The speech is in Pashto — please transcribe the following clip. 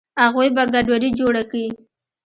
اغوئ به ګډوډي جوړه کي.